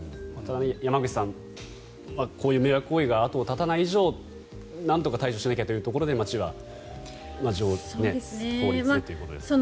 山口さん、こういう迷惑行為が後を絶たない以上なんとか対処しなきゃというところで町は法律でということです。